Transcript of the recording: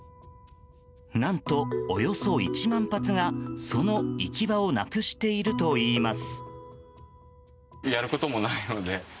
何と、およそ１万発がその行き場をなくしているといいます。